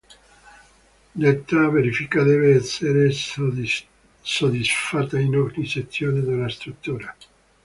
Detta verifica deve essere soddisfatta in ogni sezione della struttura.